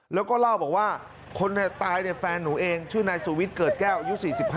แล้วก็เล่าบอกว่าคนตายเนี่ยแฟนหนูเองชื่อนายสุวิทย์เกิดแก้วอายุ๔๕